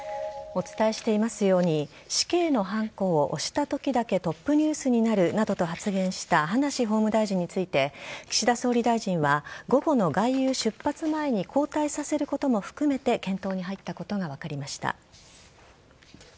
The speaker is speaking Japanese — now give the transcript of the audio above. お伝えしていますように死刑のハンコを押したときだけトップニュースになるなどと発言した葉梨法務大臣について岸田総理大臣は午後の外遊出発前に交代させることも含めて検討に入ったことが分かりました。